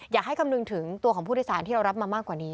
คำนึงถึงตัวของผู้โดยสารที่เรารับมามากกว่านี้